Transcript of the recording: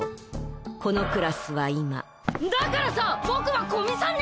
このクラスは今だからさぁ僕は古見さんに！